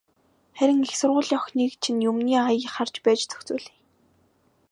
Харин их сургуулийн охиныг чинь юмны ая харж байж зохицуулъя.